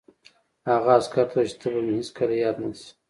هغه عسکر ته وویل چې ته به مې هېڅکله یاد نه شې